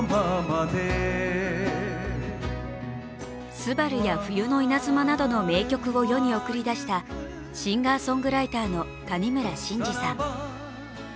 「昂−すばる−」や「冬の稲妻」などの名曲を世に送り出したシンガーソングライターの谷村新司さん。